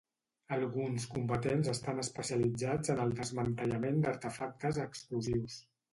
Alguns combatents estan especialitzats en el desmantellament d'artefactes explosius.